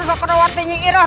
bagaimana menang kita